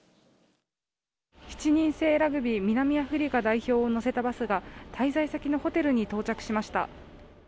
７人制ラグビー南アフリカ代表を乗せたバスが、滞在先のホテルに到着しました。